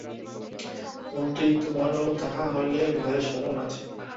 মন্ত্রী, তােমারও তাহা হইলে ভয়ের সম্ভাবনা আছে।